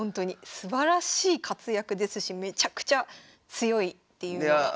すばらしい活躍ですしめちゃくちゃ強いっていうのは。